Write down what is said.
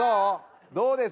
どうです？